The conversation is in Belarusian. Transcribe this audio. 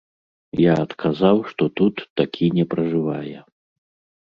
Я адказаў, што тут такі не пражывае.